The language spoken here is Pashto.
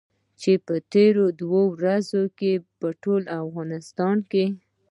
چې په تېرو دوو ورځو کې په ټول افغانستان کې.